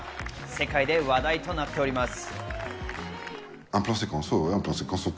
世界で話題となっております。